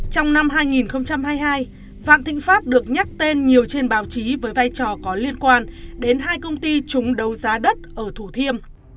trong năm hai nghìn hai mươi hai vạn thị phát được nhắc tên nhiều trên báo chí với vai trò có liên quan đến hai công ty chống đấu giá đất ở thủ thiêm